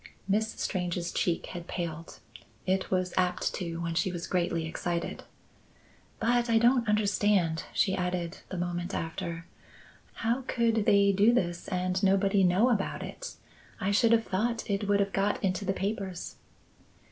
Miss Strange's cheek had paled. It was apt to when she was greatly excited. "But I don't understand," she added, the moment after. "How could they do this and nobody know about it? I should have thought it would have got into the papers."